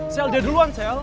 sel dia duluan sel